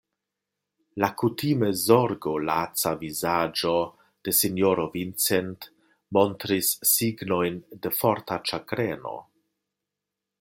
La kutime zorgolaca vizaĝo de sinjoro Vincent montris signojn de forta ĉagreno.